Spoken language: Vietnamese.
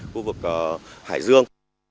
khu vực hải dương